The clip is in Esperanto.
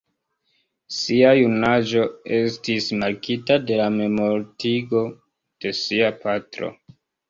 Sia junaĝo estis markita de la memmortigo de sia patro.